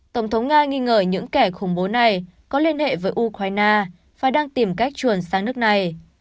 tổng thống nga nghi ngờ những kẻ khủng bố này có liên hệ với ukraine và đang tìm cách truyền sang nước này